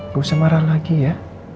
kamu bisa marah lagi ya